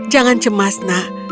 jangan cemas nak